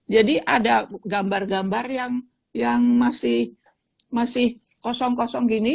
jadi ada gambar gambar yang masih kosong kosong gini